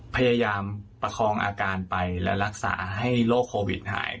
พยายามประคองอาการไปและรักษาให้โรคโควิดหาย